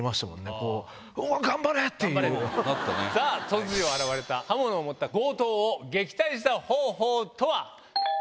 こう、うわっ、さあ、突如現れた刃物を持った強盗を撃退した方法とは。